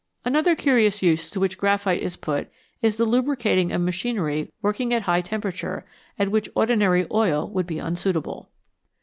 Another curious use to which graphite is put is the lubricating of machinery working at a high tempera ture, at which ordinary oil would be unsuitable.